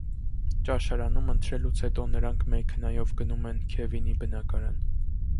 Ճաշարանում ընթրելուց հետո նրանք մեքենայով գնում են Քևինի բնակարան։